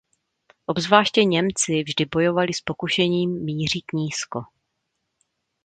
Obzvláště Němci vždy bojovali s pokušením mířit nízko.